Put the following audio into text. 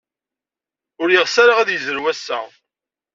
Ur yeɣs ara ad yezrew ass-a.